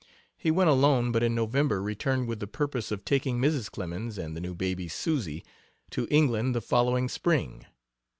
He went alone, but in November returned with the purpose of taking Mrs. Clemens and the new baby, Susy, to England the following spring.